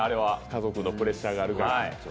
家族のプレッシャーがあるから。